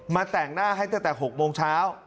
แต่งหน้าให้ตั้งแต่๖โมงเช้า